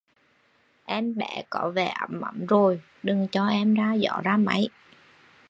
Em bé có vẻ ấm ấm rồi, đừng cho em ra gió ra máy